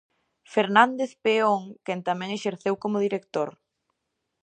Fernández Peón, quen tamén exerceu como director.